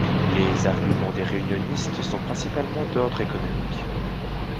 Les arguments des réunionistes sont principalement d'ordre économique.